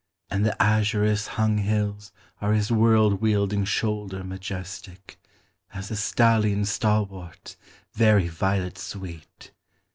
And the azurous hung hills are his world wielding shoulder Majestic as a stallion stalwart, very violet sweet!